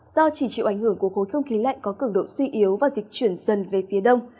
do chỉ trịu ảnh hưởng của khu thương khí lạnh có cực độ suy yếu và dịch chuyển dần về phía đông